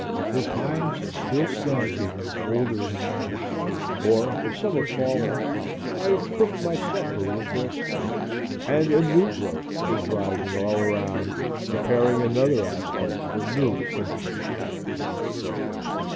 The pines still stand here older than I; or, if some have fallen, I have cooked my supper with their stumps, and a new growth is rising all around, preparing another aspect for new infant eyes.